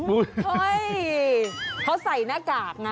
เฮ้ยเขาใส่หน้ากากนะ